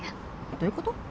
どういうこと？